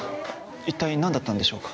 一体何だったんでしょうか？